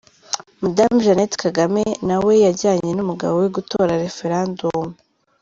Madamu Jeannette Kagame na we yajyanye n’umugabo we gutora Referandumu.